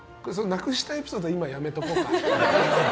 なくしたエピソードは今、やめとこうか。